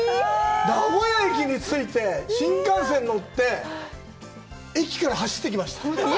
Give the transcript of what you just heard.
名古屋駅に着いて、新幹線に乗って、駅から走ってきました。